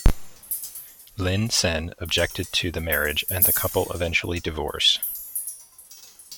Lin Sen objected to the marriage and the couple eventually divorced.